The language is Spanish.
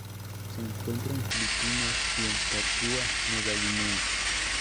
Se encuentra en Filipinas y en Papúa Nueva Guinea.